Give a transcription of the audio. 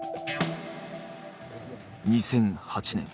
２００８年